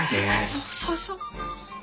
そうそうそう。